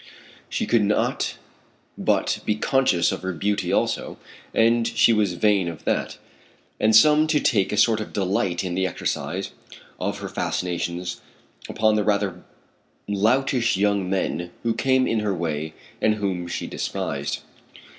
She could not but be conscious of her beauty also, and she was vain of that, and came to take a sort of delight in the exercise of her fascinations upon the rather loutish young men who came in her way and whom she despised.